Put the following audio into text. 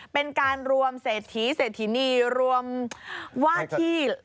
เป็นการรวมเศรษฐีเศรษฐินีรวมว่าที่